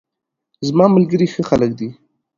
زماملګري ښه خلګ دي